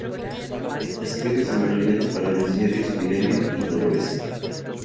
Escribe semanalmente para los diarios Milenio y Noroeste.